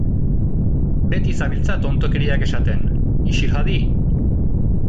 Beti zabiltza tontokeriak esaten! ixil hadi!